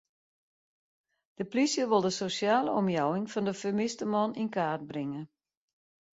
De plysje wol de sosjale omjouwing fan de fermiste man yn kaart bringe.